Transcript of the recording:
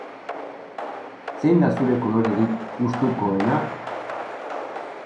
Zein da zure kolorerik gustukoena?